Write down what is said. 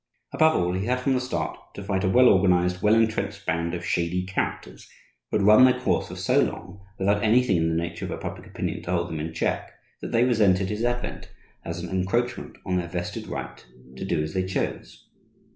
Above all, he had, from the start, to fight a well organized, well entrenched band of shady characters who had run their course for so long without anything in the nature of a public opinion to hold them in check that they resented his advent as an encroachment on their vested right to do as they chose.